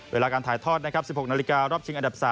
เวลาการถ่ายทอดนะครับ๑๖นาฬิการอบชิงอันดับ๓